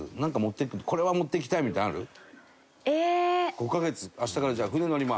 ５カ月明日から船乗ります。